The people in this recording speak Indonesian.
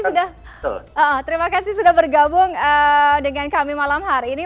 terima kasih sudah bergabung dengan kami malam hari ini